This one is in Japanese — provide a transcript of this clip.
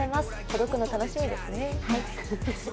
届くの、楽しみですね。